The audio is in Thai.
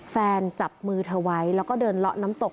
จับมือเธอไว้แล้วก็เดินเลาะน้ำตก